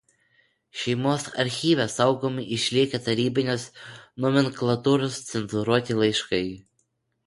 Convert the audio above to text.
Šeimos archyve saugomi išlikę tarybinės nomenklatūros cenzūruoti laiškai.